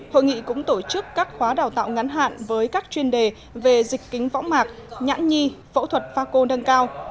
hội nghị cũng tổ chức các khóa đào tạo ngắn hạn với các chuyên đề về dịch kính võng mạc nhãn nhi phẫu thuật pha cô nâng cao